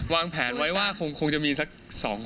วางแผนไว้ว่าคงจะมีสัก๒คน